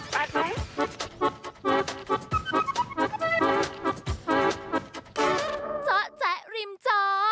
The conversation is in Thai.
แป้ง